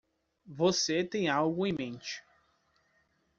Você tem algo em mente.